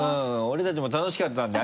俺たちも楽しかったんで。